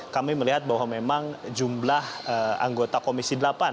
kami melihat bahwa memang jumlah anggota komisi delapan